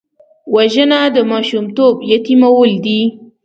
وژنه د ماشومتوب یتیمول دي